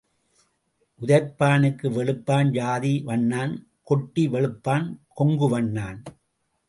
உதைப்பானுக்கு வெளுப்பான் ஜாதி வண்ணான் கொட்டி வெளுப்பான் கொங்கு வண்ணான்.